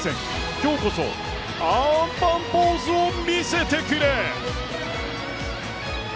今日こそアンパンポーズを見せてくれ。